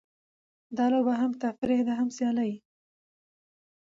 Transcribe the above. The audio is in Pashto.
دا لوبه هم تفریح ده؛ هم سیالي.